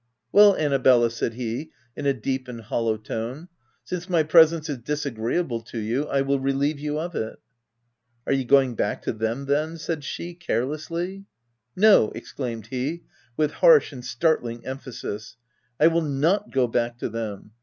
" Well, Annabelta," said he, in a deep and hollow tone, " since my presence is disagreeable to you, I will relieve you of it." 64 Are you going back to them, then ?*' said she, carelessly. " No," exclaimed he, with harsh and start ling emphasis; " I will not go back to them